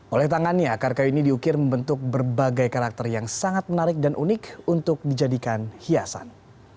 oleh tangannya akar kayu ini diukir membentuk berbagai karakter yang sangat menarik dan unik untuk dijadikan hiasan